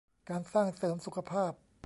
การสร้างเสริมสุขภาพ